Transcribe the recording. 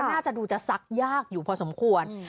น่าจะดูจะซักยากอยู่พอสมควร